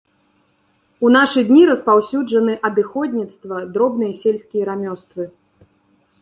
У нашы дні распаўсюджаны адыходніцтва, дробныя сельскія рамёствы.